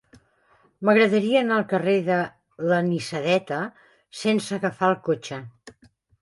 M'agradaria anar al carrer de l'Anisadeta sense agafar el cotxe.